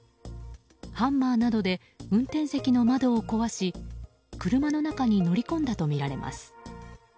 ハンマーなどで運転席の窓を壊し車の中に乗り込んだとみられます。